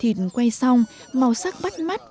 thịt quay xong màu sắc bắt mắt vô cùng